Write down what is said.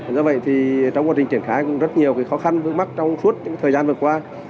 do vậy thì trong quá trình triển khai cũng rất nhiều khó khăn vướng mắt trong suốt những thời gian vừa qua